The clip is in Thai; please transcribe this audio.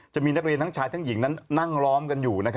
จะมีนักเรียนทั้งชายทั้งหญิงนั้นนั่งล้อมกันอยู่